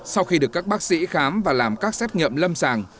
sau khi được các bác sĩ khám và làm các xét nghiệm lâm sàng